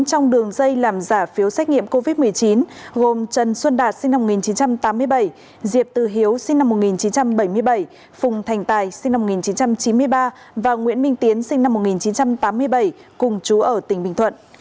trong đường dây làm giả phiếu xét nghiệm covid một mươi chín gồm trần xuân đạt sinh năm một nghìn chín trăm tám mươi bảy diệp từ hiếu sinh năm một nghìn chín trăm bảy mươi bảy phùng thành tài sinh năm một nghìn chín trăm chín mươi ba và nguyễn minh tiến sinh năm một nghìn chín trăm tám mươi bảy cùng chú ở tỉnh bình thuận